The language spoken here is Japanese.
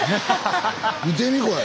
見てみこれ。